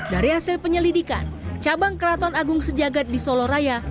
dari hasil penyelidikan cabang kraton agung sejagat di soloraya